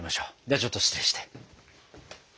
ではちょっと失礼して。